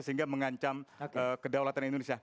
sehingga mengancam kedaulatan